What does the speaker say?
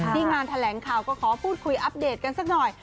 งานแถลงข่าวก็ขอพูดคุยอัปเดตกันสักหน่อย